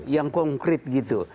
yang konkret gitu